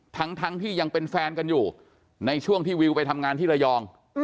ทั้งที่ยังเป็นแฟนกันอยู่ในช่วงที่วิวไปทำงานที่ระยอง